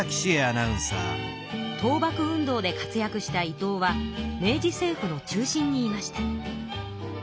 倒幕運動で活躍した伊藤は明治政府の中心にいました。